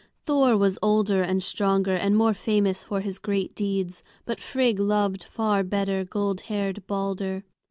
Thor was older and stronger, and more famous for his great deeds; but Frigg loved far better gold haired Balder.